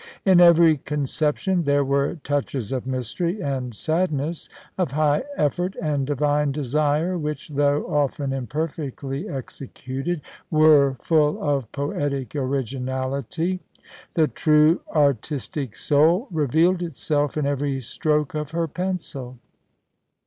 In every conception there were touches of mystery and sadness, of high effort and divine desire, which, though often imperfectly executed, were full of poetic originality. The true artistic soul re vealed itself in every stroke of her pencil.